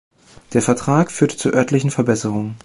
Der Vertrag führte zu örtlichen Verbesserungen.